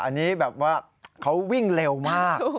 อันนี้แบบว่าเขาวิ่งเร็วมาก